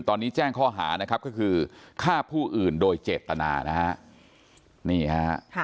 ตอนนี้แจ้งข้อหานะครับก็คือฆ่าผู้อื่นโดยเจตนานะฮะนี่ฮะ